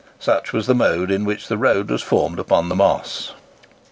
Such was the mode in which the road was formed upon the Moss.